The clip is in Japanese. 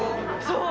そう。